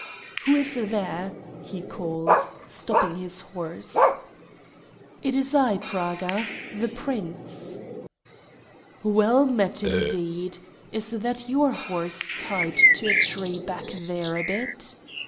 "Who is there?" he called, stopping his horse. "It is I, Praga the Prince." "Well met, indeed. Is that your horse tied to a tree back there a bit?"